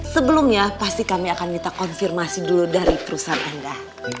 sebelumnya pasti kami akan minta konfirmasi dulu dari perusahaan anda